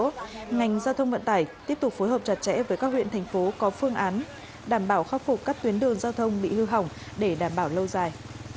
trong đó ngành giao thông vận tải tiếp tục phối hợp chặt chẽ với các huyện thành phố có phương án đảm bảo khắc phục các tuyến đường giao thông bị hư hỏng để đảm bảo lâu dài